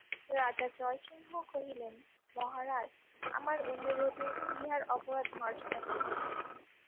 রাজা জয়সিংহ কহিলেন, মহারাজ, আমার অনুরোধে ইহার অপরাধ মার্জনা করুন।